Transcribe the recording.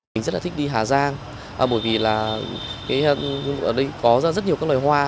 mình rất là thích đi hà giang bởi vì là ở đây có ra rất nhiều các loài hoa